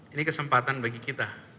ini kesempatan bagi kita